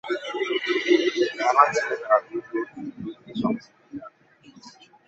খাবার ফেলে তারা দ্রুত নিজ নিজ অবস্থানে যান।